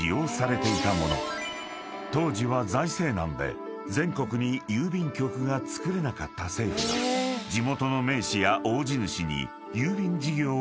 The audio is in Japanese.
［当時は財政難で全国に郵便局が造れなかった政府が地元の名士や大地主に郵便事業を委託していた時代］